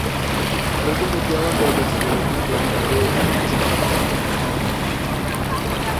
مردن لە پیاواندا بەرزترە بەپێی توێژینەوەک کە لە چین و ئیتاڵیا کراوە.